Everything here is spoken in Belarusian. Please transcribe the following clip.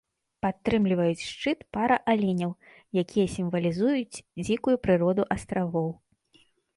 Падтрымліваюць шчыт пара аленяў, якія сімвалізуюць дзікую прыроду астравоў.